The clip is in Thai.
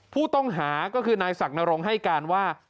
ผู้ต้องหาก็คือนายศักดรงค์ให้การว่า